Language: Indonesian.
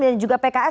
dan juga pks